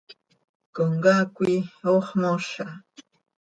Comcaac coi ox mooza.